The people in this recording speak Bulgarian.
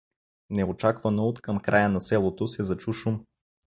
Неочаквано откъм края на селото се зачу шум.